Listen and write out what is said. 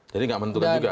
jadi nggak menentukan juga